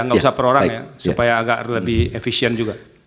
nggak usah perorang ya supaya agak lebih efisien juga